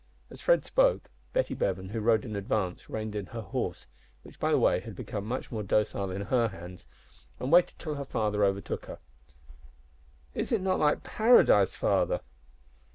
As Fred spoke, Betty Bevan, who rode in advance, reined in her horse, which, by the way, had become much more docile in her hands, and waited till her father overtook her. "Is it not like paradise, father?"